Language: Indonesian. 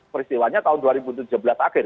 peristiwanya tahun dua ribu tujuh belas akhir